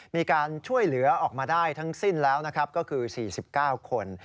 มีการช่วยเหลือออกมาได้ทั้งสิ้นแล้วนะครับก็คือ๔๙คน